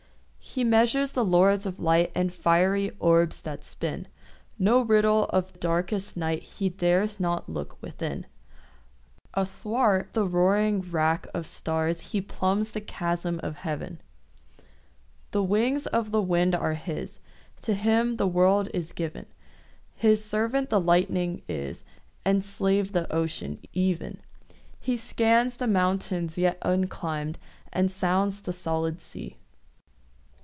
He measures the lords of light And fiery orbs that spin; No riddle of darkest night He dares not look within; Athwart the roaring wrack of stars He plumbs the chasm of heaven. The wings of the wind are his; To him the world is given; His servant the lightning is, And slave the ocean, even; He scans the mountains yet unclimb'd And sounds the solid sea.